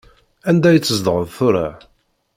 Anda i tzedɣeḍ tura?